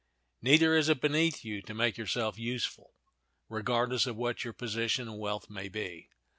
Neither is it beneath you to make yourself useful, regardless of what your position and wealth may be.